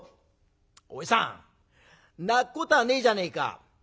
「おじさん泣くことはねえじゃねえか。